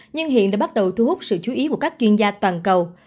nhưng hiện đã bắt đầu thu hút sự chú ý của các chuyên gia toàn cầu